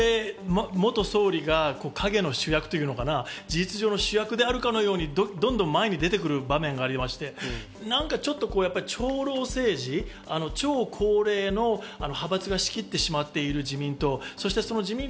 安倍元総理が陰の主役というのかな、事実上の主役であるかのように、どんどん前に出てくる場面がありまして、長老政治、超高齢の派閥が仕切ってしまっている自民党。